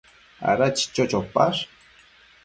Ada chicho chopash ?